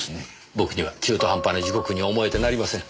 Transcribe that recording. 僕には中途半端な時刻に思えてなりません。